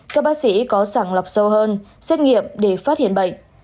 các bác sĩ có sàng lọc sâu hơn xét nghiệm để phát hiện bệnh